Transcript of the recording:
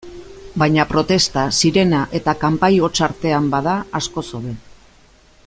Baina protesta, sirena eta kanpai hots artean bada, askoz hobe.